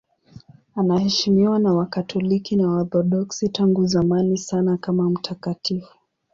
Anaheshimiwa na Wakatoliki na Waorthodoksi tangu zamani sana kama mtakatifu.